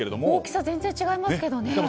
大きさ、全然違いますけどね。